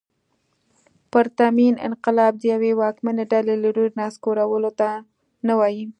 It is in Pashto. پرتمین انقلاب د یوې واکمنې ډلې له لوري نسکورولو ته نه وايي.